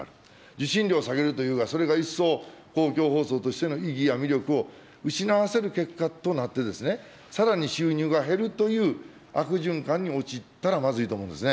受信料を下げるというが、それが一層、公共放送としての意義や魅力を失わせる結果となってですね、さらに収入が減るという悪循環に陥ったらまずいと思うんですね。